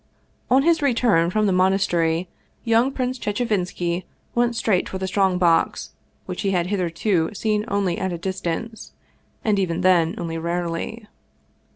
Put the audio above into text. On his return from the monastery, young Prince Che chevinski went straight for the strong box, which he had hitherto seen only at a distance, and even then only rarely.